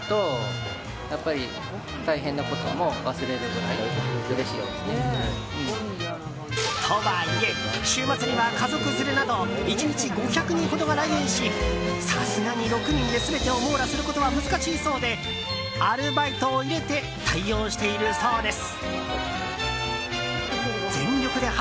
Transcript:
割と広い園内を６人でまかなっている割には速いかも。とはいえ週末には家族連れなど１日５００人ほどが来園しさすがに６人で全てを網羅することは難しいそうでアルバイトを入れて対応しているそうです。